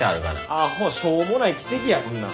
アホしょうもない奇跡やそんなん。